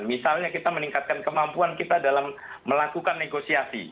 misalnya kita meningkatkan kemampuan kita dalam melakukan negosiasi